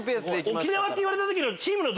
沖縄って言われた時の。